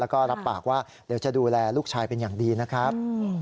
แล้วก็รับปากว่าเดี๋ยวจะดูแลลูกชายเป็นอย่างดีนะครับ